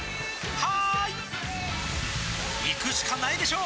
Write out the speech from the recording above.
「はーい」いくしかないでしょ！